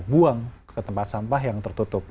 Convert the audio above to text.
buang ke tempat sampah yang tertutup